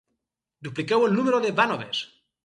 Dupliqueu el número de vànoves.